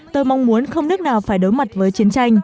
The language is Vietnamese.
tôi mong muốn không nước nào phải đối mặt với chiến tranh